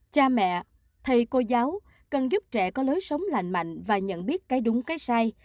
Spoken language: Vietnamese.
cha mẹ thầy cô giáo cần giúp trẻ có lối sống lành mạnh và nhận biết cái đúng cái sai